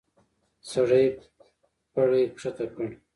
سړی پړی کښته کړ.